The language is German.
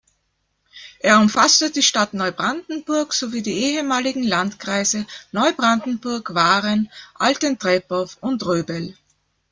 Er umfasste die Stadt Neubrandenburg sowie die ehemaligen Landkreise Neubrandenburg, Waren, Altentreptow und Röbel.